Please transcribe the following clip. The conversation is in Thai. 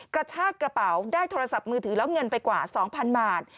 กระชากระเป๋าได้โทรศัพท์มือถือแล้วเงินไปกว่า๒๐๐๐บาท